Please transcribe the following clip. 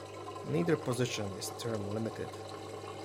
Neither position is term-limited.